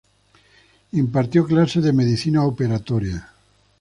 Impartió clases de medicina operatoria.